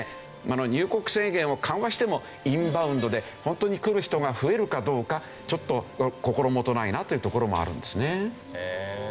入国制限を緩和してもインバウンドで本当に来る人が増えるかどうかちょっと心もとないなというところもあるんですね。